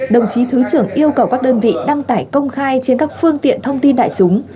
đồng chí thứ trưởng yêu cầu các đơn vị đăng tải công khai trên các phương tiện thông tin đại chúng